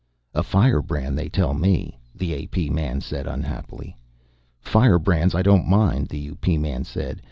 "A firebrand, they tell me," the A.P. man said unhappily. "Firebrands I don't mind," the U.P. man said.